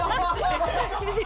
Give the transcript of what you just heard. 厳しい！